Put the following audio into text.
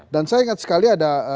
dan saya ingat sekali ada